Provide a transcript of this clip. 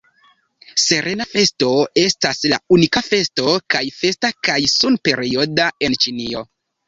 Serena Festo estas la unika festo kaj festa kaj sun-perioda en Ĉinio.